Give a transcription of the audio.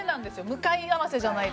向かい合わせじゃないと。